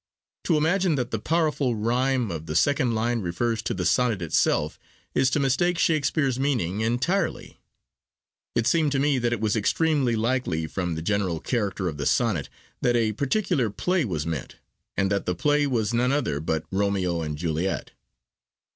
To imagine that the 'powerful rhyme' of the second line refers to the sonnet itself, is to mistake Shakespeare's meaning entirely. It seemed to me that it was extremely likely, from the general character of the sonnet, that a particular play was meant, and that the play was none other but Romeo and Juliet.